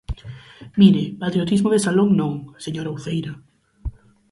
Mire, patriotismo de salón non, señora Uceira.